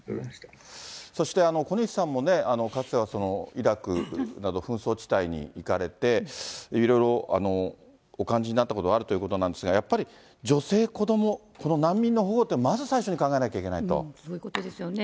そして小西さんもかつてはイラクなど紛争地帯に行かれて、いろいろお感じになったことがあるということなんですが、やっぱり、女性、子ども、この難民の保護って、そういうことですよね。